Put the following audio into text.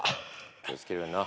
気を付けるようにな。